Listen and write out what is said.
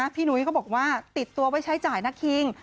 พี่หนุ๊ยก็บอกว่าติดตัวไว้ใช้จ่ายนาคคิง